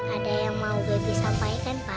ada yang mau baby sampaikan pa